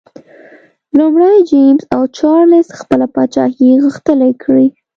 لومړی جېمز او چارلېز خپله پاچاهي غښتلي کړي.